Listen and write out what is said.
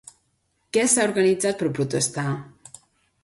Què s'ha organitzat per protestar?